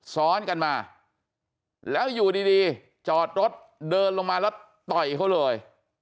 ซ้อนกันมาแล้วอยู่ดีจอดรถเดินลงมาแล้วต่อยเขาเลย